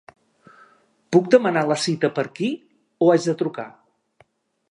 Puc demanar la cita per aquí o haig de trucar?